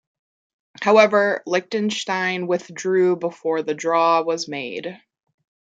However, Liechtenstein withdrew before the draw was made.